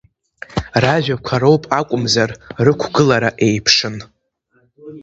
Ражәақәа роуп акәымзар, рықәгылара еиԥшын.